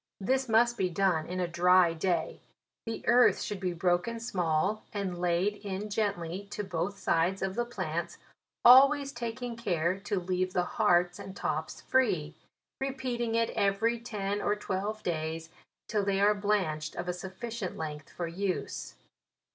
This must be done in a dry day ; the earth should be broken small, and laid in gently to both sides of the plants, always ta king care to leave the hearts and tops free ; repeating it every ten or twelve days, till they are blanched of a sufficient length for use.